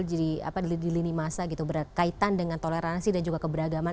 jadi di lini masa gitu berkaitan dengan toleransi dan juga keberagaman